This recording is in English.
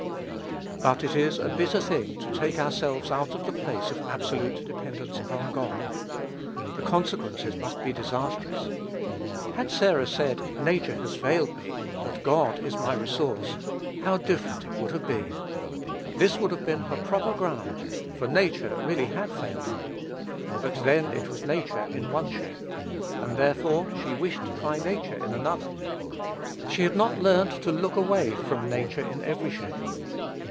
But it is a bitter thing to take ourselves out of the place of absolute dependence upon God. The consequences must be disastrous. Had Sarah said, "Nature has failed me, but God is my resource," how different it would have been! This would have been her proper ground; for nature really had failed her. But then it was nature in one shape, and therefore she wished to try nature in another. She had not learnt to look away from nature in every shape.